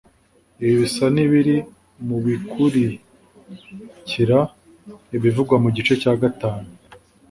Ibi bisa n'ibiri mu bikurikira ibivugwa mu gice cya gatanu